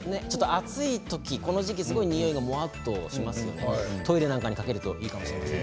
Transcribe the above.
暑い時、この時期においがもわっとしますのでトイレなどにかけるといいかもしれません。